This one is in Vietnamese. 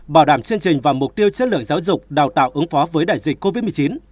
bảo đảm chương trình và mục tiêu chất lượng giáo dục đào tạo ứng phó với đại dịch covid một mươi chín